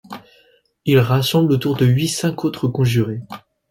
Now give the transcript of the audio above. Il rassemble autour de lui cinq autres conjurés.